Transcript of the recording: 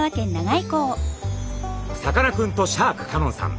さかなクンとシャーク香音さん